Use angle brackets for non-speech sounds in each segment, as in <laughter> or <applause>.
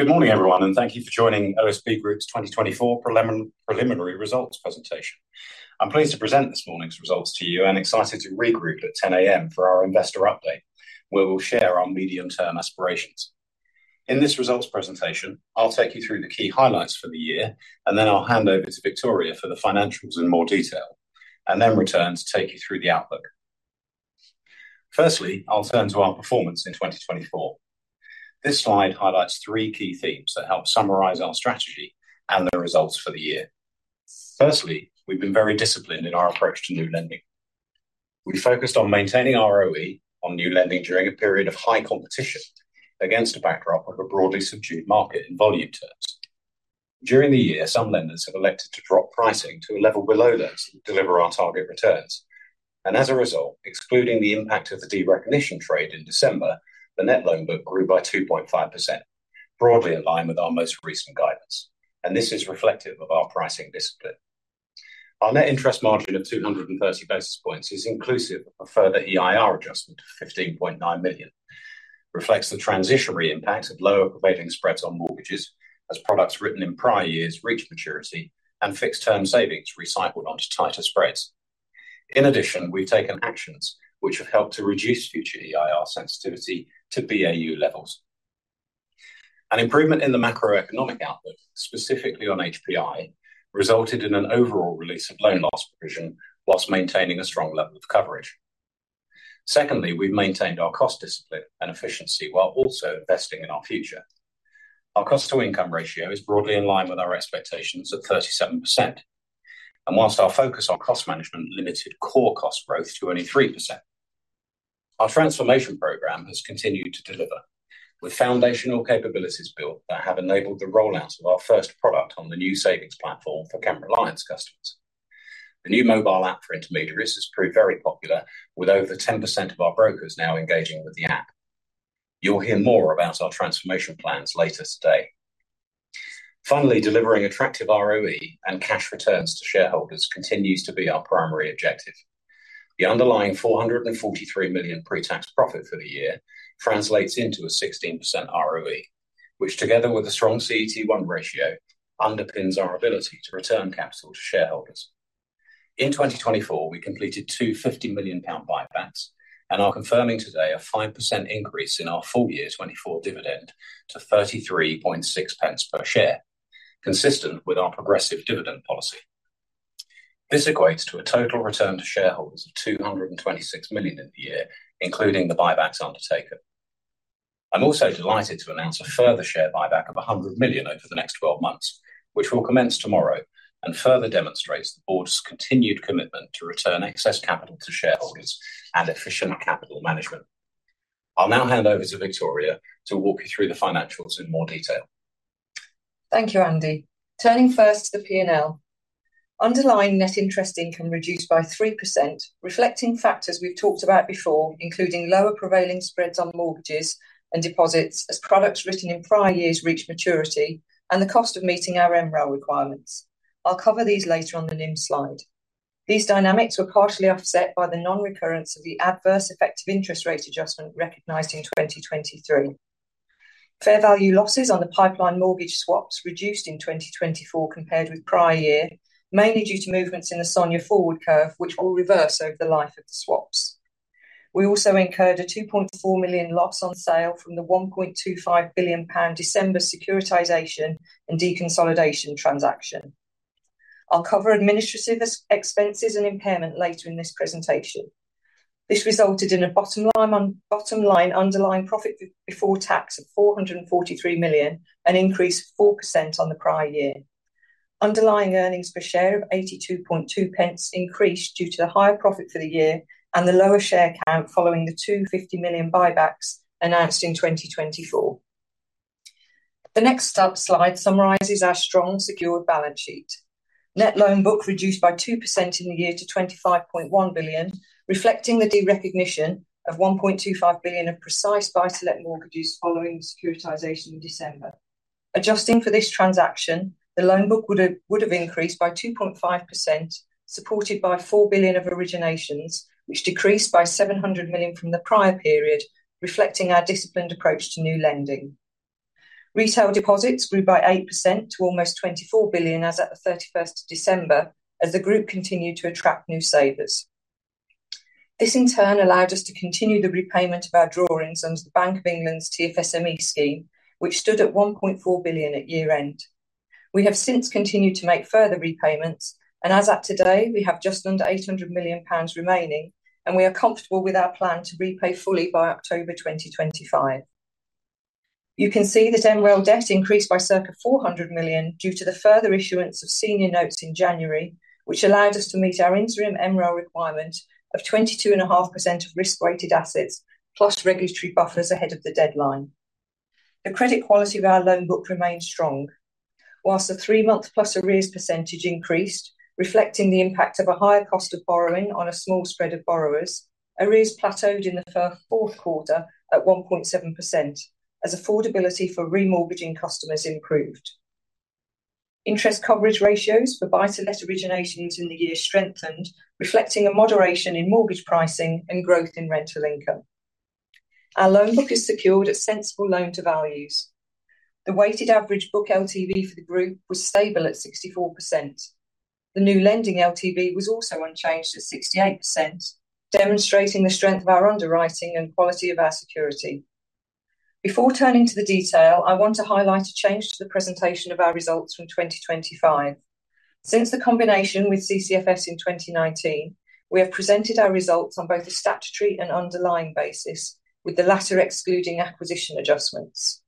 Good morning, everyone, and thank you for joining OSB Group's 2024 preliminary results presentation. I'm pleased to present this morning's results to you and excited to regroup at 10:00 A.M. for our investor update, where we'll share our medium-term aspirations. In this results presentation, I'll take you through the key highlights for the year, and then I'll hand over to Victoria for the financials in more detail, and then return to take you through the outlook. Firstly, I'll turn to our performance in 2024. This slide highlights three key themes that help summarize our strategy and the results for the year. Firstly, we've been very disciplined in our approach to new lending. We focused on maintaining our ROE on new lending during a period of high competition against a backdrop of a broadly subdued market in volume terms. During the year, some lenders have elected to drop pricing to a level below those that would deliver our target returns. As a result, excluding the impact of the derecognition trade in December, the net loan book grew by 2.5%, broadly in line with our most recent guidance, and this is reflective of our pricing discipline. Our net interest margin of 230 basis points is inclusive of a further EIR adjustment of 15.9 million, reflects the transitionary impact of lower-performing spreads on mortgages as products written in prior years reach maturity and fixed-term savings recycled onto tighter spreads. In addition, we've taken actions which have helped to reduce future EIR sensitivity to BAU levels. An improvement in the macroeconomic outlook, specifically on HPI, resulted in an overall release of loan loss provision whilst maintaining a strong level of coverage. Secondly, we've maintained our cost discipline and efficiency while also investing in our future. Our cost-to-income ratio is broadly in line with our expectations at 37%, and whilst our focus on cost management limited core cost growth to only 3%. Our transformation program has continued to deliver, with foundational capabilities built that have enabled the rollout of our first product on the new savings platform for Kent Reliance customers. The new mobile app for intermediaries has proved very popular, with over 10% of our brokers now engaging with the app. You'll hear more about our transformation plans later today. Finally, delivering attractive ROE and cash returns to shareholders continues to be our primary objective. The underlying 443 million pre-tax profit for the year translates into a 16% ROE, which, together with a strong CET1 ratio, underpins our ability to return capital to shareholders. In 2024, we completed two 50 million pound buybacks and are confirming today a 5% increase in our full-year 2024 dividend to 33.6 pence per share, consistent with our progressive dividend policy. This equates to a total return to shareholders of 226 million in the year, including the buybacks undertaken. I'm also delighted to announce a further share buyback of 100 million over the next 12 months, which will commence tomorrow and further demonstrates the board's continued commitment to return excess capital to shareholders and efficient capital management. I'll now hand over to Victoria to walk you through the financials in more detail. Thank you, Andy. Turning first to the P&L. Underlying net interest income reduced by 3%, reflecting factors we've talked about before, including lower prevailing spreads on mortgages and deposits as products written in prior years reach maturity and the cost of meeting our MREL requirements. I'll cover these later on the NIM slide. These dynamics were partially offset by the non-recurrence of the adverse effective interest rate adjustment recognized in 2023. Fair value losses on the pipeline mortgage swaps reduced in 2024 compared with prior year, mainly due to movements in the SONIA forward curve, which will reverse over the life of the swaps. We also incurred a 2.4 million loss on sale from the 1.25 billion pound December securitization and deconsolidation transaction. I'll cover administrative expenses and impairment later in this presentation. This resulted in a bottom line underlying profit before tax of 443 million, an increase of 4% on the prior year. Underlying earnings per share of 82.2 pence increased due to the higher profit for the year and the lower share count following the 250 million buybacks announced in 2024. The next slide summarizes our strong secured balance sheet. Net loan book reduced by 2% in the year to 25.1 billion, reflecting the derecognition of 1.25 billion of Precise buy-to-let mortgages following securitization in December. Adjusting for this transaction, the loan book would have increased by 2.5%, supported by 4 billion of originations, which decreased by 700 million from the prior period, reflecting our disciplined approach to new lending. Retail deposits grew by 8% to almost 24 billion as of the 31st of December, as the group continued to attract new savers. This, in turn, allowed us to continue the repayment of our drawings under the Bank of England's TFSME scheme, which stood at 1.4 billion at year-end. We have since continued to make further repayments, and as of today, we have just under 800 million pounds remaining, and we are comfortable with our plan to repay fully by October 2025. You can see that MREL debt increased by circa 400 million due to the further issuance of senior notes in January, which allowed us to meet our interim MREL requirement of 22.5% of risk-weighted assets, plus regulatory buffers ahead of the deadline. The credit quality of our loan book remained strong. Whilst the three-month plus arrears percentage increased, reflecting the impact of a higher cost of borrowing on a small spread of borrowers, arrears plateaued in the fourth quarter at 1.7%, as affordability for remortgaging customers improved. Interest coverage ratios for buy-to-let originations in the year strengthened, reflecting a moderation in mortgage pricing and growth in rental income. Our loan book is secured at sensible loan-to-values. The weighted average book LTV for the group was stable at 64%. The new lending LTV was also unchanged at 68%, demonstrating the strength of our underwriting and quality of our security. Before turning to the detail, I want to highlight a change to the presentation of our results from 2025. Since the combination with CCFS in 2019, we have presented our results on both a statutory and underlying basis, with the latter excluding acquisition adjustments.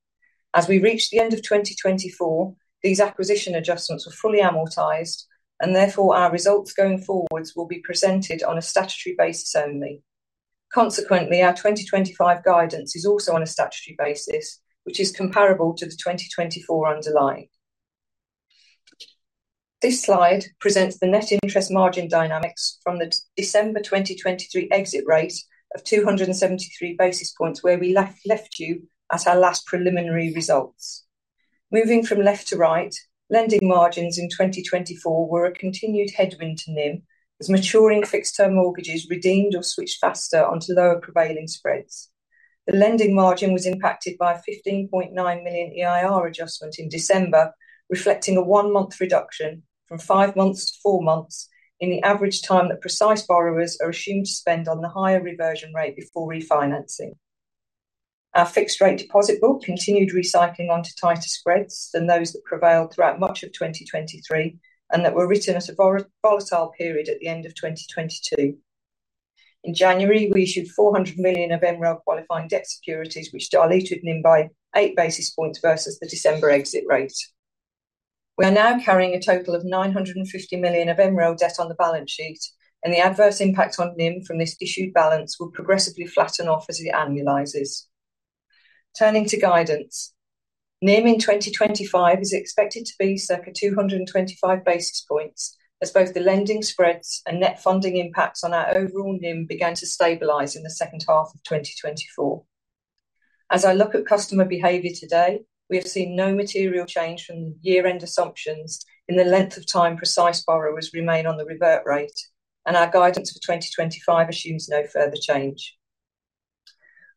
As we reached the end of 2024, these acquisition adjustments were fully amortized, and therefore our results going forwards will be presented on a statutory basis only. Consequently, our 2025 guidance is also on a statutory basis, which is comparable to the 2024 underlying. This slide presents the net interest margin dynamics from the December 2023 exit rate of 273 basis points, where we left you at our last preliminary results. Moving from left to right, lending margins in 2024 were a continued headwind to NIM, as maturing fixed-term mortgages redeemed or switched faster onto lower prevailing spreads. The lending margin was impacted by a 15.9 million EIR adjustment in December, reflecting a one-month reduction from five months to four months in the average time that Precise borrowers are assumed to spend on the higher reversion rate before refinancing. Our fixed-rate deposit book continued recycling onto tighter spreads than those that prevailed throughout much of 2023 and that were written as a volatile period at the end of 2022. In January, we issued 400 million of MREL qualifying debt securities, which diluted NIM by eight basis points versus the December exit rate. We are now carrying a total of 950 million of MREL debt on the balance sheet, and the adverse impact on NIM from this issued balance will progressively flatten off as it annualizes. Turning to guidance, NIM in 2025 is expected to be circa 225 basis points, as both the lending spreads and net funding impacts on our overall NIM began to stabilize in the second half of 2024. As I look at customer behavior today, we have seen no material change from year-end assumptions in the length of time Precise borrowers remain on the revert rate, and our guidance for 2025 assumes no further change.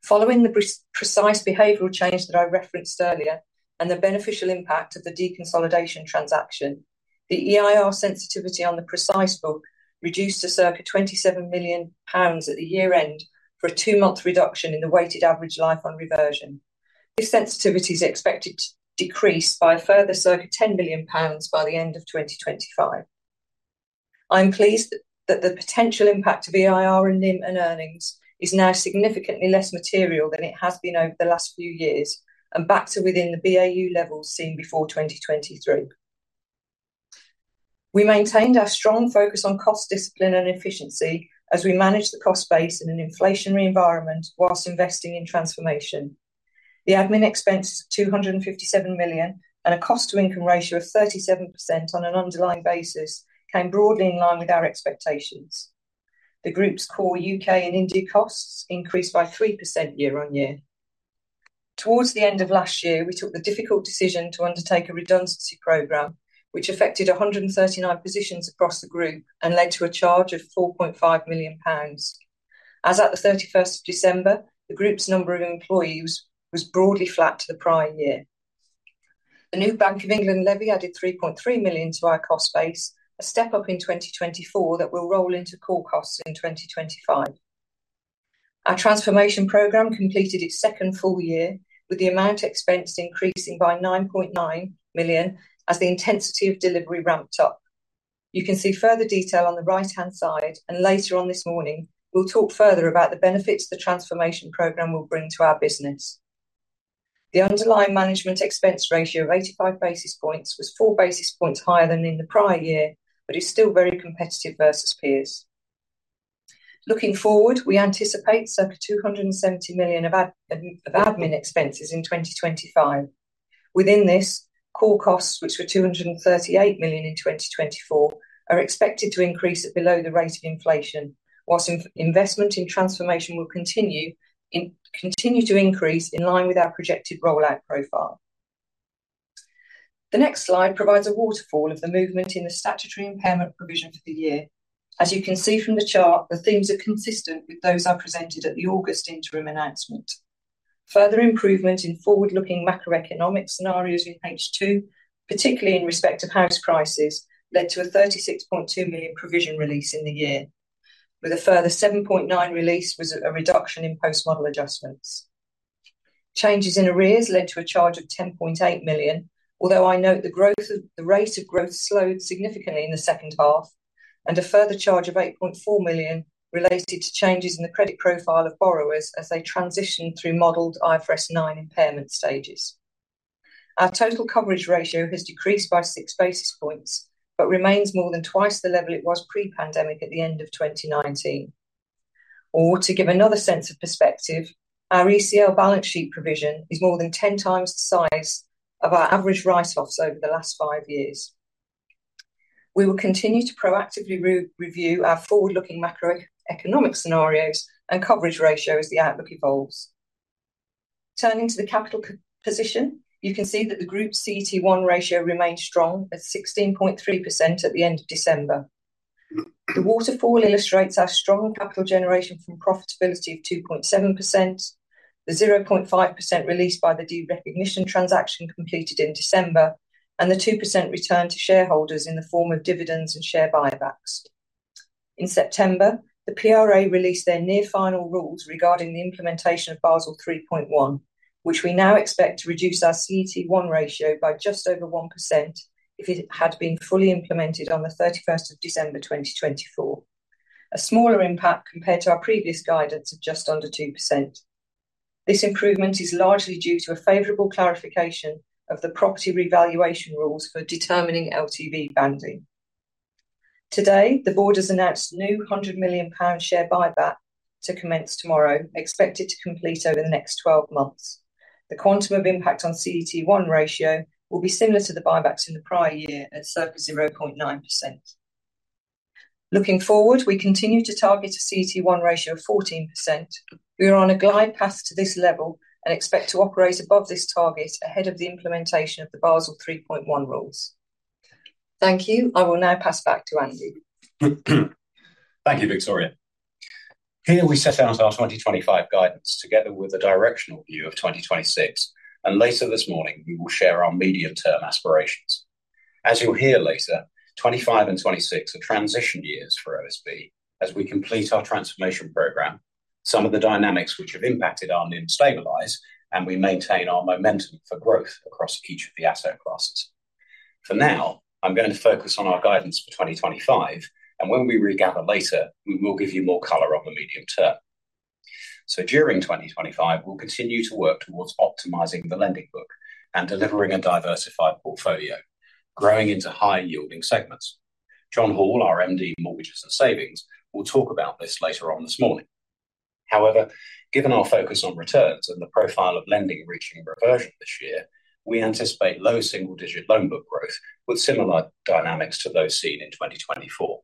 Following the Precise behavioral change that I referenced earlier and the beneficial impact of the deconsolidation transaction, the EIR sensitivity on the Precise book reduced to circa 27 million pounds at the year-end for a two-month reduction in the weighted average life on reversion. This sensitivity is expected to decrease by a further circa 10 million pounds by the end of 2025. I am pleased that the potential impact of EIR and NIM and earnings is now significantly less material than it has been over the last few years and back to within the BAU levels seen before 2023. We maintained our strong focus on cost discipline and efficiency as we managed the cost base in an inflationary environment whilst investing in transformation. The admin expenses of 257 million and a cost-to-income ratio of 37% on an underlying basis came broadly in line with our expectations. The group's core U.K. and India costs increased by 3% year on year. Towards the end of last year, we took the difficult decision to undertake a redundancy program, which affected 139 positions across the group and led to a charge of 4.5 million pounds. As of the 31st of December, the group's number of employees was broadly flat to the prior year. The new Bank of England levy added 3.3 million to our cost base, a step up in 2024 that will roll into core costs in 2025. Our transformation program completed its second full year, with the amount expensed increasing by 9.9 million as the intensity of delivery ramped up. You can see further detail on the right-hand side, and later on this morning, we'll talk further about the benefits the transformation program will bring to our business. The underlying management expense ratio of 85 basis points was four basis points higher than in the prior year, but is still very competitive versus peers. Looking forward, we anticipate circa 270 million of admin expenses in 2025. Within this, core costs, which were 238 million in 2024, are expected to increase at below the rate of inflation, whilst investment in transformation will continue to increase in line with our projected rollout profile. The next slide provides a waterfall of the movement in the statutory impairment provision for the year. As you can see from the chart, the themes are consistent with those I presented at the August interim announcement. Further improvement in forward-looking macroeconomic scenarios in H2, particularly in respect of house prices, led to a 36.2 million provision release in the year, with a further 7.9 million release was a reduction in post-model adjustments. Changes in arrears led to a charge of 10.8 million, although I note the rate of growth slowed significantly in the second half, and a further charge of 8.4 million related to changes in the credit profile of borrowers as they transitioned through modeled IFRS 9 impairment stages. Our total coverage ratio has decreased by six basis points but remains more than twice the level it was pre-pandemic at the end of 2019. To give another sense of perspective, our ECL balance sheet provision is more than ten times the size of our average write-offs over the last five years. We will continue to proactively review our forward-looking macroeconomic scenarios and coverage ratio as the outlook evolves. Turning to the capital position, you can see that the group's CET1 ratio remained strong at 16.3% at the end of December. The waterfall illustrates our strong capital generation from profitability of 2.7%, the 0.5% released by the derecognition transaction completed in December, and the 2% return to shareholders in the form of dividends and share buybacks. In September, the PRA released their near-final rules regarding the implementation of Basel 3.1, which we now expect to reduce our CET1 ratio by just over 1% if it had been fully implemented on the 31st of December 2024, a smaller impact compared to our previous guidance of just under 2%. This improvement is largely due to a favorable clarification of the property revaluation rules for determining LTV banding. Today, the board has announced new 100 million pound share buyback to commence tomorrow, expected to complete over the next 12 months. The quantum of impact on CET1 ratio will be similar to the buybacks in the prior year at circa 0.9%. Looking forward, we continue to target a CET1 ratio of 14%. We are on a glide path to this level and expect to operate above this target ahead of the implementation of the Basel 3.1 rules. Thank you. I will now pass back to Andy. Thank you, Victoria. Here we set out our 2025 guidance together with a directional view of 2026, and later this morning, we will share our medium-term aspirations. As you'll hear later, 2025 and 2026 are transition years for OSB as we complete our transformation program, some of the dynamics which have impacted our NIM stabilize, and we maintain our momentum for growth across each of the asset classes. For now, I'm going to focus on our guidance for 2025, and when we regather later, we will give you more color on the medium term. During 2025, we will continue to work towards optimizing the lending book and delivering a diversified portfolio, growing into high-yielding segments. Jon Hall, our Managing Director in Mortgages and Savings, will talk about this later on this morning. However, given our focus on returns and the profile of lending reaching reversion this year, we anticipate low single-digit loan book growth with similar dynamics to those seen in 2024.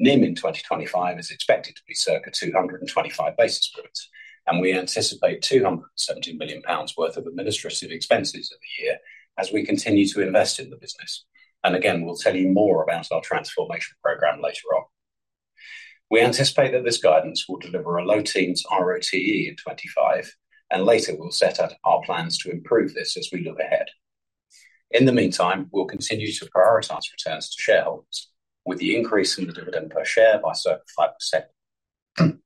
NIM in 2025 is expected to be circa 225 basis points, and we anticipate 270 million pounds worth of administrative expenses over the year as we continue to invest in the business. We will tell you more about our transformation program later on. We anticipate that this guidance will deliver a low-teens ROTE in 2025, and later we will set out our plans to improve this as we look ahead. In the meantime, we'll continue to prioritize returns to shareholders with the increase in the dividend per share by circa 5%.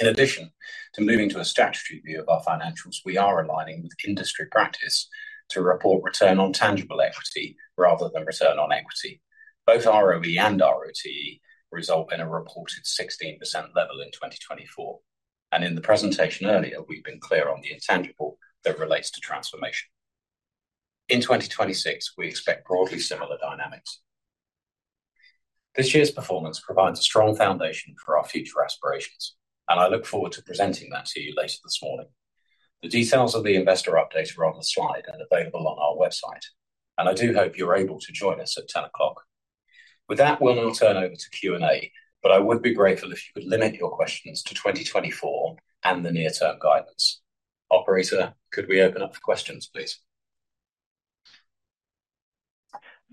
In addition to moving to a statutory view of our financials, we are aligning with industry practice to report return on tangible equity rather than return on equity. Both ROE and ROTE result in a reported 16% level in 2024, and in the presentation earlier, we've been clear on the intangible that relates to transformation. In 2026, we expect broadly similar dynamics. This year's performance provides a strong foundation for our future aspirations, and I look forward to presenting that to you later this morning. The details of the investor update are on the slide and available on our website, and I do hope you're able to join us at 10:00 A.M. With that, we'll now turn over to Q&A, but I would be grateful if you could limit your questions to 2024 and the near-term guidance. Operator, could we open up for questions, please?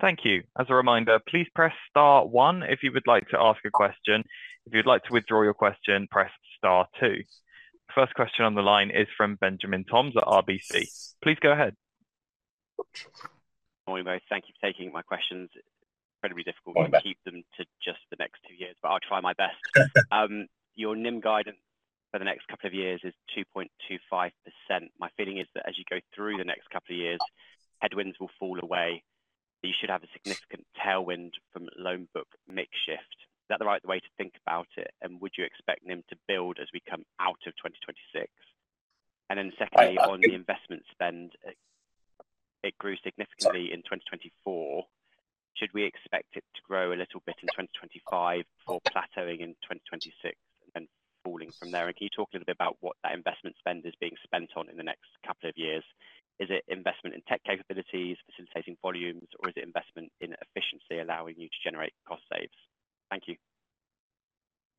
Thank you. As a reminder, please press star one if you would like to ask a question. If you'd like to withdraw your question, press star two. First question on the line is from Benjamin Toms at RBC. Please go ahead. Thank you for taking my questions. Incredibly difficult. I'm going to keep them to just the next two years, but I'll try my best. Your NIM guidance for the next couple of years is 2.25%. My feeling is that as you go through the next couple of years, headwinds will fall away. You should have a significant tailwind from loan book mix shift. Is that the right way to think about it? Would you expect NIM to build as we come out of 2026? Secondly, on the investment spend, it grew significantly in 2024. Should we expect it to grow a little bit in 2025 before plateauing in 2026 and then falling from there? Can you talk a little bit about what that investment spend is being spent on in the next couple of years? Is it investment in tech capabilities, facilitating volumes, or is it investment in efficiency allowing you to generate cost saves? Thank you.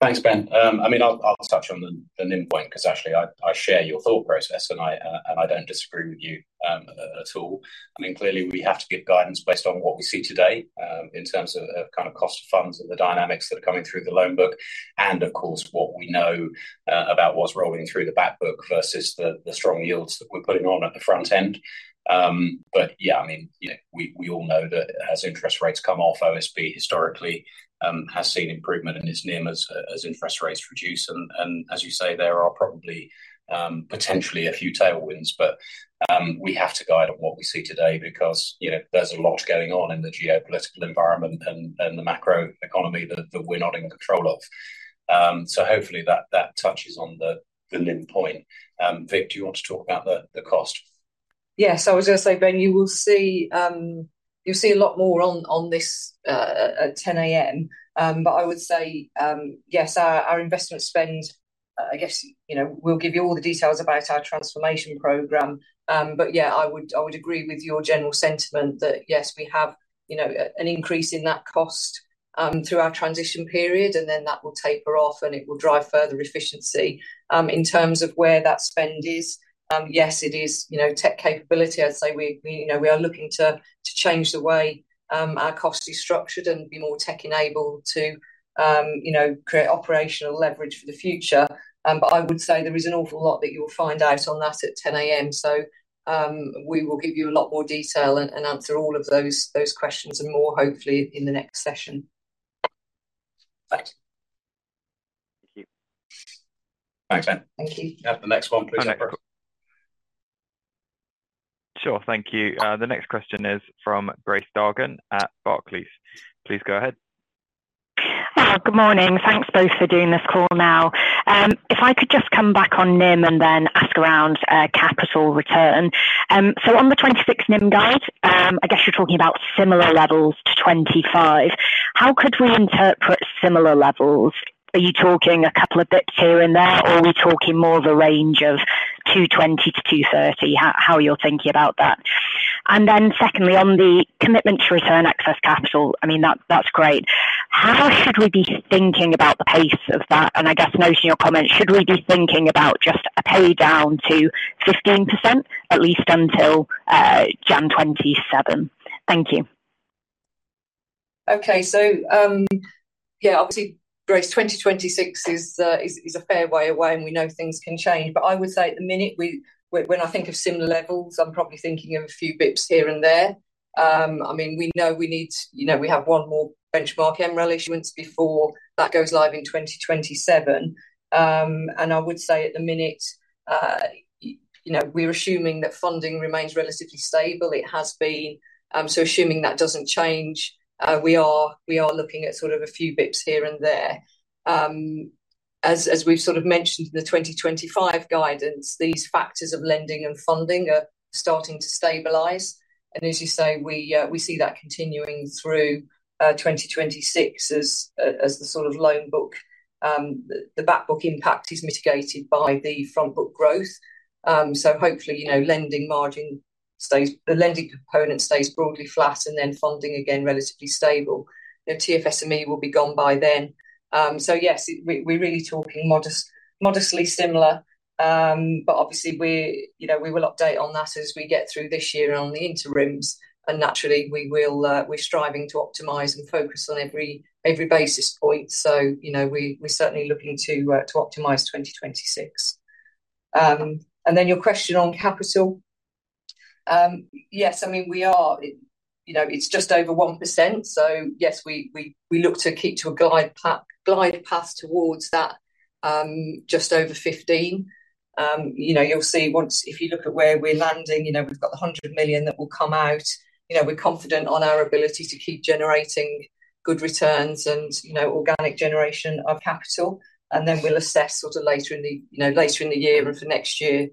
Thanks, Ben. I mean, I'll touch on the NIM point because actually I share your thought process, and I don't disagree with you at all. I mean, clearly we have to give guidance based on what we see today in terms of kind of cost of funds and the dynamics that are coming through the loan book, and of course what we know about what's rolling through the back book versus the strong yields that we're putting on at the front end. Yeah, I mean, we all know that as interest rates come off, OSB historically has seen improvement in its NIM as interest rates reduce. As you say, there are probably potentially a few tailwinds, but we have to guide on what we see today because there's a lot going on in the geopolitical environment and the macro economy that we're not in control of. Hopefully that touches on the NIM point. Vic, do you want to talk about the cost? Yes, I was going to say, Ben, you will see a lot more on this at 10:00 A.M., but I would say yes, our investment spend, I guess we will give you all the details about our transformation program, but yeah, I would agree with your general sentiment that yes, we have an increase in that cost through our transition period, and then that will taper off and it will drive further efficiency in terms of where that spend is. Yes, it is tech capability. I would say we are looking to change the way our cost is structured and be more tech-enabled to create operational leverage for the future. I would say there is an awful lot that you will find out on that at 10:00 A.M., so we will give you a lot more detail and answer all of those questions and more hopefully in the next session. Thank you. Thanks, Ben. Thank you. You have the next one, please. Sure, thank you. The next question is from Grace Dargan at Barclays. Please go ahead. Good morning. Thanks both for doing this call now. If I could just come back on NIM and then ask around capital return. On the 26 NIM guide, I guess you're talking about similar levels to 2025. How could we interpret similar levels? Are you talking a couple of basis points here and there, or are we talking more of a range of 220-230, how you're thinking about that? Secondly, on the commitment to return excess capital, I mean, that's great. How should we be thinking about the pace of that? I guess noting your comment, should we be thinking about just a pay down to 15% at least until January 2027? Thank you. Okay, so yeah, obviously, Grace, 2026 is a fair way away and we know things can change, but I would say at the minute, when I think of similar levels, I'm probably thinking of a few bits here and there. I mean, we know we need to have one more benchmark MREL issuance before that goes live in 2027. I would say at the minute, we're assuming that funding remains relatively stable. It has been. Assuming that doesn't change, we are looking at sort of a few bits here and there. As we've sort of mentioned in the 2025 guidance, these factors of lending and funding are starting to stabilize. As you say, we see that continuing through 2026 as the sort of loan book, the back book impact is mitigated by the front book growth. Hopefully lending margin, the lending component stays broadly flat and then funding again relatively stable. TFSME will be gone by then. Yes, we're really talking modestly similar, but obviously we will update on that as we get through this year and on the interims. Naturally, we're striving to optimize and focus on every basis point. We're certainly looking to optimize 2026. Your question on capital, yes, I mean, we are, it's just over 1%. Yes, we look to keep to a glide path towards that just over 15%. You'll see once if you look at where we're landing, we've got the 100 million that will come out. We're confident on our ability to keep generating good returns and organic generation of capital. We'll assess sort of later in the year and for next year.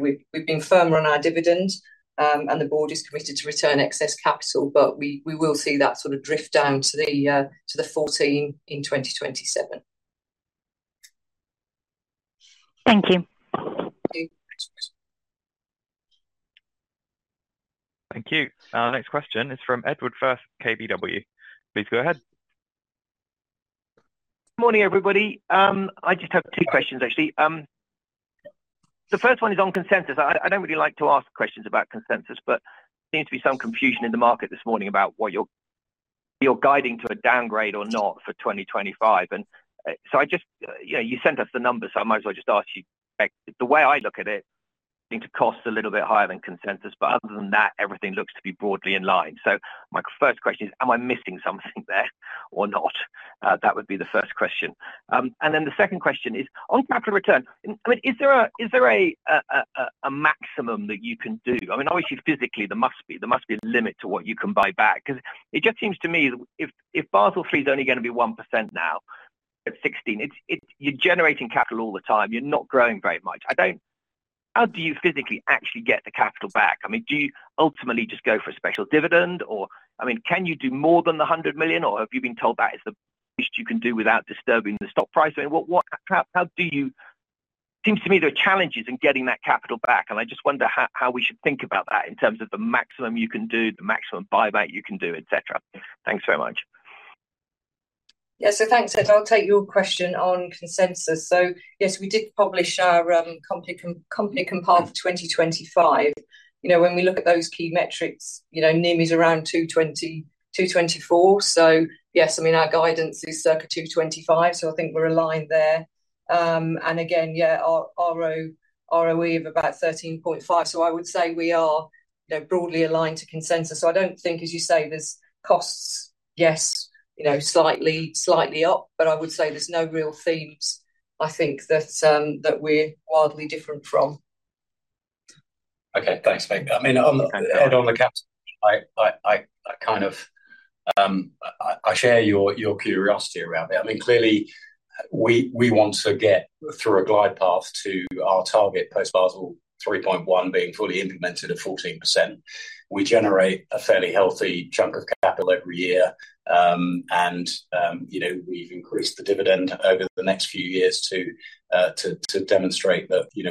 We've been firmer on our dividend and the board is committed to return excess capital, but we will see that sort of drift down to the 14 in 2027. Thank you. Thank you. Next question is from Edward Firth, KBW. Please go ahead. Good morning, everybody. I just have two questions, actually. The first one is on consensus. I don't really like to ask questions about consensus, but there seems to be some confusion in the market this morning about what you're guiding to a downgrade or not for 2025. You sent us the numbers, so I might as well just ask you. The way I look at it, things cost a little bit higher than consensus, but other than that, everything looks to be broadly in line. My first question is, am I missing something there or not? That would be the first question. The second question is, on capital return, I mean, is there a maximum that you can do? I mean, obviously, physically, there must be a limit to what you can buy back. Because it just seems to me if Basel 3 is only going to be 1% now at 16, you're generating capital all the time. You're not growing very much. How do you physically actually get the capital back? I mean, do you ultimately just go for a special dividend? I mean, can you do more than the 100 million, or have you been told that is the best you can do without disturbing the stock price? I mean, it seems to me there are challenges in getting that capital back. I just wonder how we should think about that in terms of the maximum you can do, the maximum buyback you can do, etc. Thanks very much. Yes, thanks. I'll take your question on consensus. Yes, we did publish our compile for 2025. When we look at those key metrics, NIM is around 224. Our guidance is circa 225, so I think we're aligned there. Again, ROE of about 13.5. I would say we are broadly aligned to consensus. I don't think, as you say, there's costs, yes, slightly up, but I would say there's no real themes that we're wildly different from. Okay, thanks, mate. I mean, <crosstalk> on the capital, I kind of share your curiosity around it. I mean, clearly, we want to get through a glide path to our target post-Basel 3.1 being fully implemented at 14%. We generate a fairly healthy chunk of capital every year, and we have increased the dividend over the next few years to demonstrate that we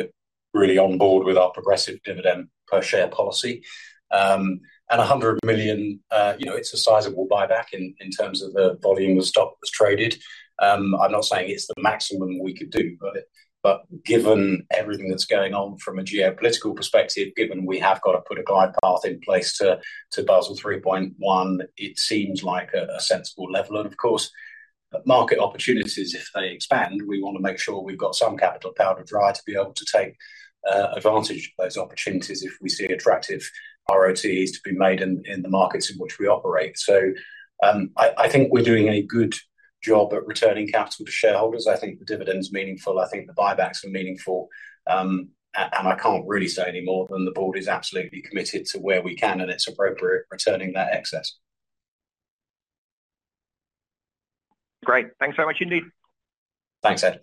are really on board with our progressive dividend per share policy. 100 million, it is a sizable buyback in terms of the volume of stock that was traded. I am not saying it is the maximum we could do, but given everything that is going on from a geopolitical perspective, given we have got to put a glide path in place to Basel 3.1, it seems like a sensible level. Of course, market opportunities, if they expand, we want to make sure we've got some capital power to drive to be able to take advantage of those opportunities if we see attractive ROTs to be made in the markets in which we operate. I think we're doing a good job at returning capital to shareholders. I think the dividend's meaningful. I think the buybacks are meaningful. I can't really say any more than the board is absolutely committed to where we can and it's appropriate returning that excess. Great. Thanks very much, indeed. Thanks, Ed.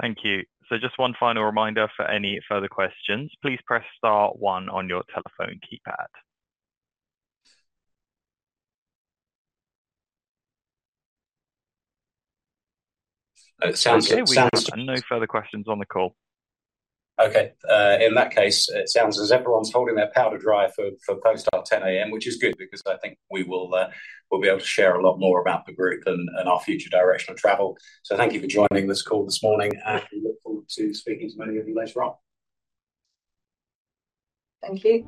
Thank you. Just one final reminder for any further questions. Please press star one on your telephone keypad. <crosstalk> Sounds good. No further questions on the call. Okay. In that case, it sounds as if everyone's holding their powder dry for post-op 10:00 A.M., which is good because I think we will be able to share a lot more about the group and our future direction of travel. Thank you for joining this call this morning, and we look forward to speaking to many of you later on. Thank you.